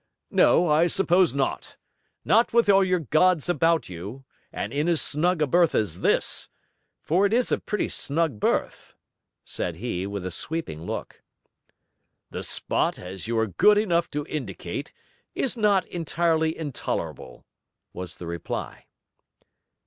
'No, I suppose not. Not with all your gods about you, and in as snug a berth as this. For it is a pretty snug berth,' said he, with a sweeping look. 'The spot, as you are good enough to indicate, is not entirely intolerable,' was the reply.